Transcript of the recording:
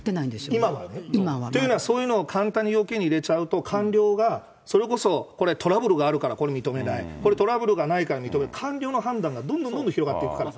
今はね。というのは、簡単に要件に入れちゃうと、官僚がそれこそこれ、トラブルがあるからこれ認めない、これ、トラブルがないから認める、官僚の判断がどんどんどんどん広がっていくから。